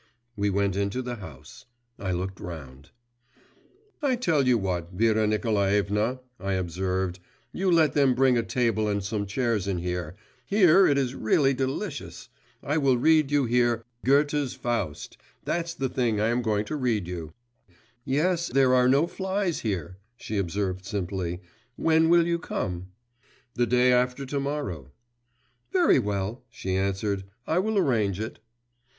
We went into the house. I looked round. 'I tell you what, Vera Nikolaevna,' I observed, 'you let them bring a table and some chairs in here. Here it is really delicious. I will read you here Goethe's Faust that's the thing I am going to read you.' 'Yes, there are no flies here,' she observed simply. 'When will you come?' 'The day after to morrow.' 'Very well,' she answered. 'I will arrange it.